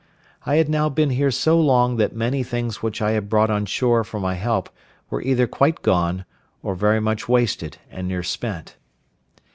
I had now been here so long that many things which I had brought on shore for my help were either quite gone, or very much wasted and near spent.